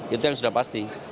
itu yang sudah pasti